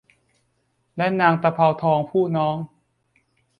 และนางตะเภาทองผู้น้อง